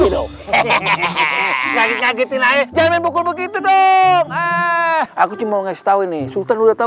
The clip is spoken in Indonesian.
hehehe kegiatin aja jangan bukul begitu dong ah aku cuma ngasih tau ini sultan udah tahu